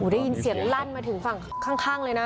ได้ยินเสียงลั่นมาถึงฝั่งข้างเลยนะ